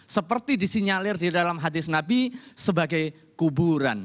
seperti disinyalir di dalam hadis nabi sebagai kuburan